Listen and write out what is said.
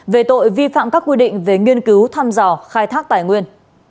về tội vi phạm các quy định về nghiên cứu thăm dò khai thác tài nguyên